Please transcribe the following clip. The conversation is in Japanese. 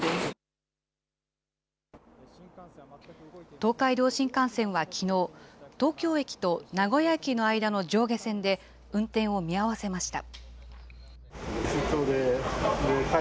東海道新幹線はきのう、東京駅と名古屋駅の間の上下線で運転を見合わせました。